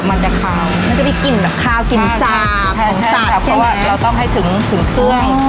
มันจะคาวมันจะมีกลิ่นแบบคาวกลิ่นสาของสัตว์ใช่ไหมใช่ใช่ค่ะเพราะว่าเราต้องให้ถึงถึงเครื่อง